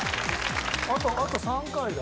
あとあと３回だ。